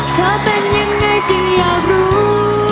เธอเป็นยังไงจึงอยากรู้